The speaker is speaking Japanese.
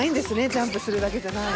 ジャンプするだけじゃない。